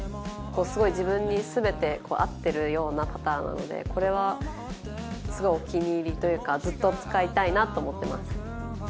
すごい自分にすべて合ってるようなパターなのでこれはすごいお気に入りというかずっと使いたいなと思ってます。